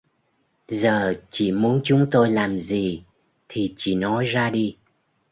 giờ chị muốn chúng tôi làm gì thì chị nói ra đi